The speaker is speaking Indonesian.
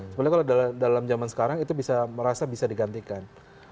sebenarnya kalau dalam zaman sekarang itu bisa merasa bisa digantikan